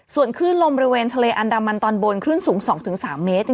ส่วนคลื่นลมบริเวณทะเลอันดามันตอนบนคลื่นสูง๒๓เมตร